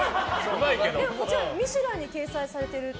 こっちは「ミシュラン」に掲載されてるって。